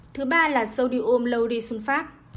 thứ ba là sodium lauryl sulfate